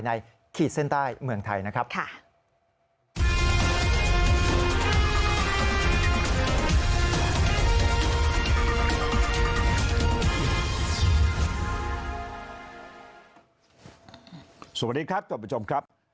ในขีดเส้นใต้เมืองไทยนะครับค่ะสวัสดีครับคุณผู้ชมครับ